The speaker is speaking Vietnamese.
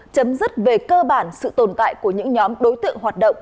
chấm dứt về cơ bản sự tồn tại của những nhóm đối tượng hoạt động